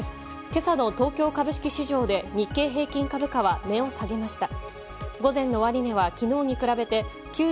今朝の東京株式市場で日経平均株価は値を下げました。